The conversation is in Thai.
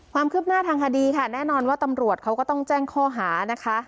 ความคืบหน้าทางคดีค่ะแน่นอนว่าตำรวจเขาก็ต้องแจ้งข้อหานะคะ